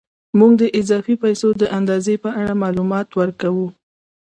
موږ د اضافي پیسو د اندازې په اړه معلومات ورکوو